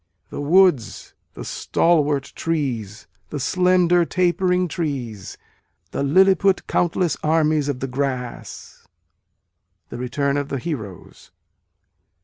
The woods, the stalwart trees, the slender, tapering trees, The lilliput countless armies of the grass. (The Return of the Heroes.)